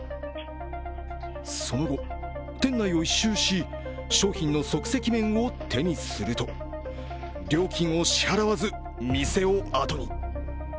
その後、店内を１周し商品の即席麺を手にすると、料金を支払わず店を後に。